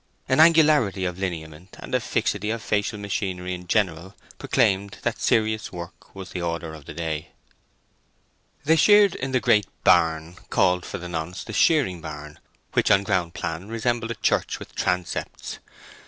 An angularity of lineament, and a fixity of facial machinery in general, proclaimed that serious work was the order of the day. They sheared in the great barn, called for the nonce the Shearing barn, which on ground plan resembled a church with transepts.